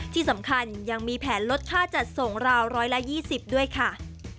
ที่สำคัญยังมีแผนลดค่าจัดส่งราว๑๒๐ด้วยค่ะ